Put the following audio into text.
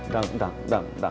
dang dang dang